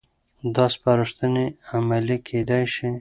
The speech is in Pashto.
دا سپارښتنې عملي کېدای شي.